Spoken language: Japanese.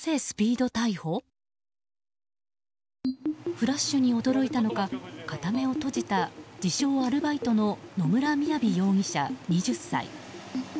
フラッシュに驚いたのか片目を閉じた自称アルバイトの野村雅容疑者、２０歳。